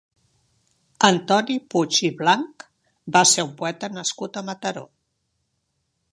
Antoni Puig i Blanch va ser un poeta nascut a Mataró.